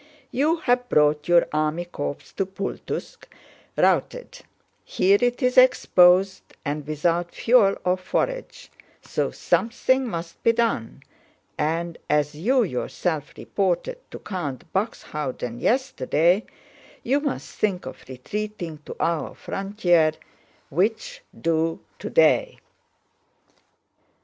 You have brought your army corps to Pultúsk, routed: here it is exposed, and without fuel or forage, so something must be done, and, as you yourself reported to Count Buxhöwden yesterday, you must think of retreating to our frontier—which do today.